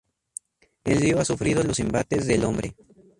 El río ha sufrido los embates del hombre.